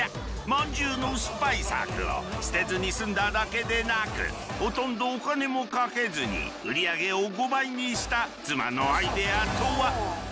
まんじゅうの失敗作を捨てずに済んだだけでなくほとんどお金もかけずに売り上げを５倍にした妻のアイデアとは？